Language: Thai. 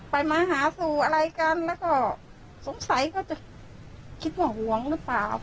มาหาสู่อะไรกันแล้วก็สงสัยก็จะคิดว่าห่วงหรือเปล่า